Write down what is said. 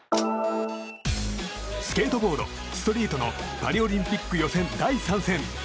スケートボード・ストリートのパリオリンピック予選第３戦。